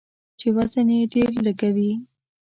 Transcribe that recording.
چې وزن یې ډیر لږوي.